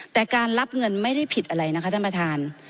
แต่การรับเงินไม่ได้ผิดอะไรนะคะท่านประธาน